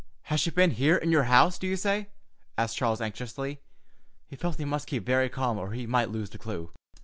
'" "Has she been here in your house, do you say?" asked Charles anxiously. He felt he must keep very calm or he might lose the clue.